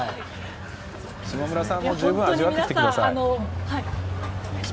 下村さんも放送のあと十分味わってきてください。